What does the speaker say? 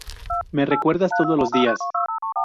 ¿Me recuerdas todos los días?